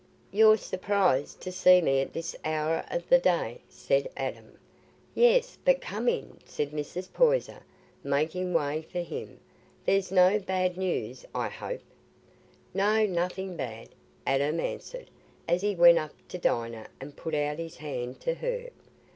"You're surprised to see me at this hour o' the day," said Adam. "Yes, but come in," said Mrs. Poyser, making way for him; "there's no bad news, I hope?" "No, nothing bad," Adam answered, as he went up to Dinah and put out his hand to her.